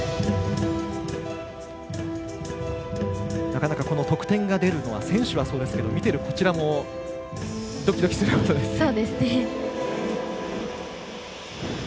なかなか得点が出るのは選手もそうですけれども見ているこちらもドキドキしますね。１３．３００。